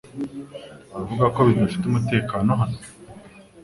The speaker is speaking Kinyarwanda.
Uravuga ko bidafite umutekano hano